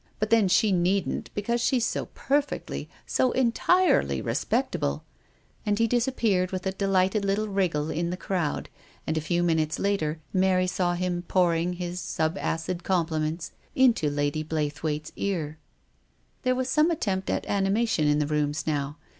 But then she needn't, because she's so per fectly, so entirely respectable !" And he dis appeared with a delighted little wriggle in the crowd, and a few minutes later Mary saw him pouring his sub wid compliments into Lady Blaythewaite's ear. There was some attempt at animation in the rooms now.